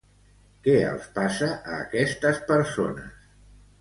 Què els passa a aquestes persones?